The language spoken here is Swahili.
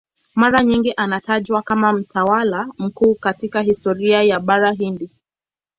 Mara nyingi anatajwa kama mtawala mkuu katika historia ya Bara Hindi.